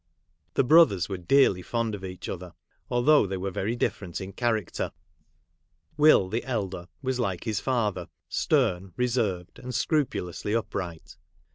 The brothers were dearly fond of each other, although they were very different in cha racter. Will, the elder, was like his father, stern, reserved, and scrupulously upright.